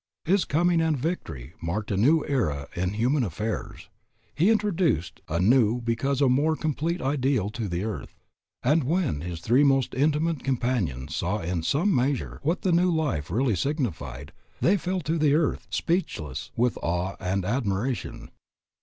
His coming and victory marked a new era in human affairs; he introduced a new because a more complete ideal to the earth, and when his three most intimate companions saw in some measure what the new life really signified, they fell to the earth, speechless with awe and admiration."